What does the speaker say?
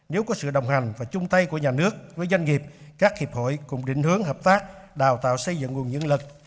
nếu có sự đồng hành và chung tay của nhà nước với doanh nghiệp các hiệp hội cùng định hướng hợp tác đào tạo xây dựng nguồn nhân lực